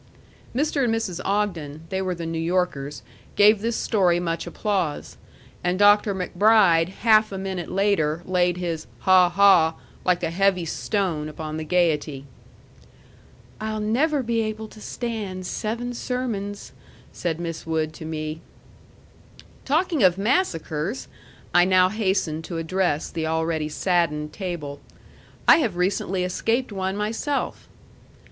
Mr. and Mrs. Ogden they were the New Yorkers gave this story much applause, and Dr. MacBride half a minute later laid his "ha ha," like a heavy stone, upon the gayety. "I'll never be able to stand seven sermons," said Miss Wood to me. "Talking of massacres," I now hastened to address the already saddened table, "I have recently escaped one myself."